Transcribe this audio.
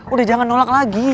udah jangan nolak lagi